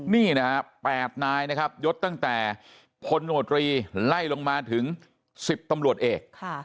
นี่นะฮะ๘นายนะครับยศตั้งแต่พลโนตรีไล่ลงมาถึง๑๐ตำรวจเอก